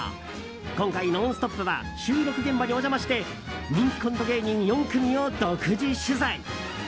今回、「ノンストップ！」は収録現場にお邪魔して人気コント芸人４組を独自取材。